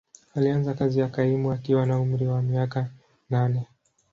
Alianza kazi ya kaimu akiwa na umri wa miaka nane.